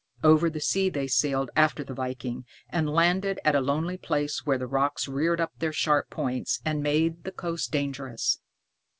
Over the sea they sailed after the viking, and landed at a lonely place where the rocks reared up their sharp points and made the coast dangerous.